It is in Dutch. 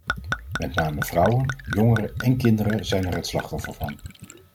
Met name vrouwen, jongeren en kinderen zijn er het slachtoffer van.